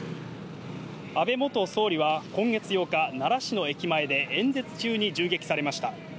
安倍元総理は今月８日、奈良市の駅前で演説中に銃撃されました。